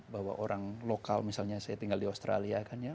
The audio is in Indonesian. bahwa orang lokal misalnya saya tinggal di australia kan ya